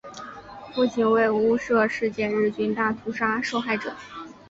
父亲为雾社事件日军大屠杀受害者。